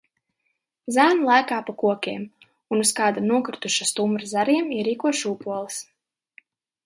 Zēni lēkā pa kokiem un uz kāda nokrituša stumbra zariem ierīko šūpoles.